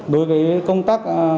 đối với công tác